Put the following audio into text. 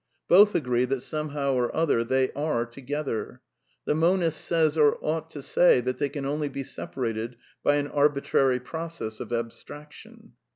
Both agree that somehow or other they are to gether. The monist says, or ought to say, that they can only be separated by an arbitrary process of abstraction.